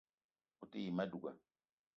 O te yi ma douga